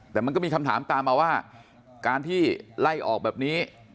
แต่มันก็มีคำถามตามมาว่าการที่ไล่ออกแบบนี้